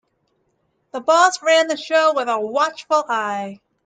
The boss ran the show with a watchful eye.